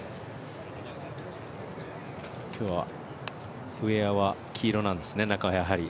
今日はウエアは黄色なんですね、中はやはり。